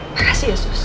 makasih ya sus